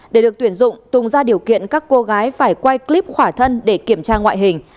để được tuyển dụng tùng ra điều kiện các cô gái phải quay clip khỏa thân để kiểm tra ngoại hình